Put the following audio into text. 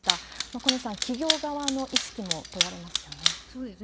小西さん、企業側の意識も問われますよね。